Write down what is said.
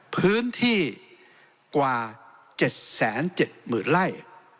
พื้นที่กว่าเจ็ดแสนเจ็ดหมื่นไล่